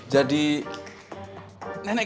kali ini aku tidak akan pergi